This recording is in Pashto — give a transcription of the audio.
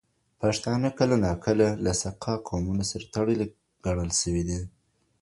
پښتانه کله ناکله له سکا قومونو سره تړلي ګڼل سوي دي.